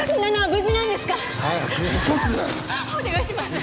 お願いします！